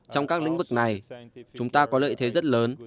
trong các lĩnh vực này chúng ta có lợi thế rất lớn